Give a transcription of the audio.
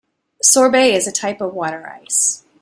Sorbet is a type of water ice